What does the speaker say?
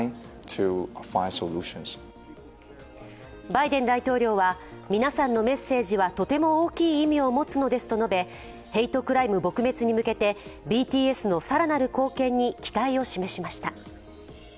バイデン大統領は、皆さんのメッセージはとても大きい意味を持つのですと述べ、ヘイトクライム撲滅に向けてＢＴＳの更なる貢献に期待を示しました。